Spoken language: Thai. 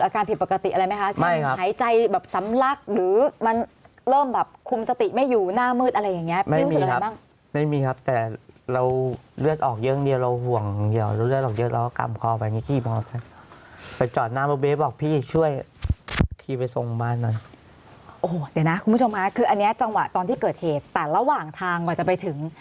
ครับทุกคนข้างคะครืออันนี้จังหวะตอนที่เกิดเหตุแต่ระหว่างทางหลายจะไปถึง